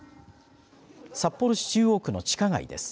札幌市中央区の地下街です。